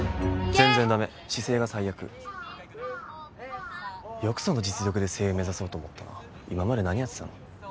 全然ダメ姿勢が最悪よくその実力で声優目指そうと思ったな今まで何やってたの？